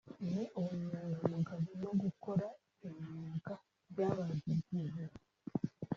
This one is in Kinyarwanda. ni ubunyangamugayo no gukora kinyamwuga by’abazigize